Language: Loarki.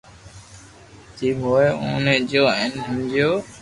جيم ھوئو اوني جويو ھين ھمجيو